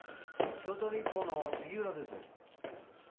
京都日報の杉浦です。